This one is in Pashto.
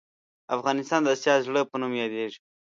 افغانستان د اسیا د زړه په نوم یادیږې